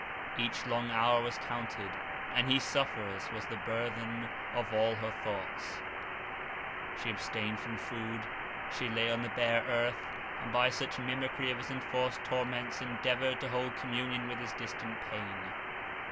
Each long hour was counted, and "He suffers" was the burthen of all her thoughts. She abstained from food; she lay on the bare earth, and, by such mimickry of his enforced torments, endeavoured to hold communion with his distant pain.